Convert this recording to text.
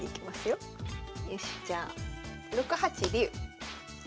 よしじゃあ６八竜。